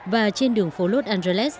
và trên đường phố los angeles